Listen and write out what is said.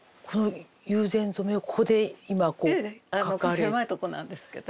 ここ狭いとこなんですけど。